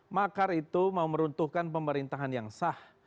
makar itu mau meruntuhkan pemerintahan yang sah